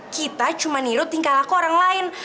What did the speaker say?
kita cuma niru tingkah laku orang lain